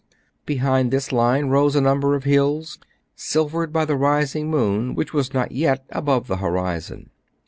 Behind this line rose a number of hills, silvered by the rising moon, which was not yet above the horizon.